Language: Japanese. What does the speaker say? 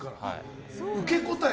受け答え